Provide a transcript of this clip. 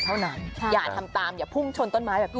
เท่านั้นอย่าทำตามอย่าพุ่งชนต้นไม้อย่างนี้